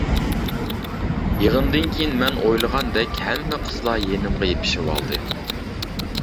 يىغىندىن كېيىن مەن ئويلىغاندەك ھەممە قىزلار يېنىمغا يېپىشىۋالدى.